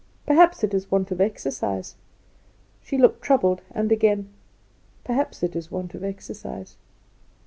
"Perhaps it is want of exercise." She looked troubled and said again, "Perhaps it is want of exercise."